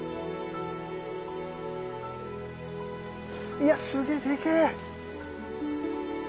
いやすげえでけえ！